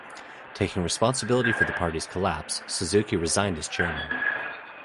Taking responsibility for the party's collapse, Suzuki resigned as chairman.